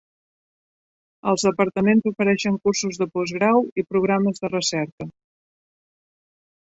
Els departaments ofereixen cursos de postgrau i programes de recerca.